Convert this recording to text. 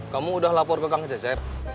kamu udah lapor ke kang cecer